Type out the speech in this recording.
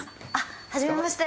はじめまして！